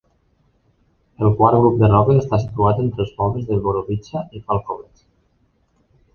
El quart grup de roques està situat entre els pobles de Borovitsa i Falkovets.